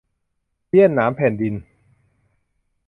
เสี้ยนหนามแผ่นดิน